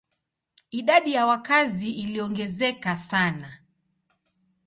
Idadi ya wakazi iliongezeka sana.